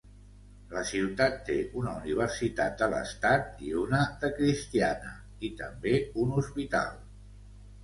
La ciutat té una universitat de l'estat i una de cristiana, i també un hospital.